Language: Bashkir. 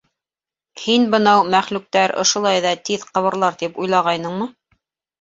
— Һин бынау мәхлүктәр ошолай ҙа тиҙ ҡыбырлар тип уйлағайныңмы?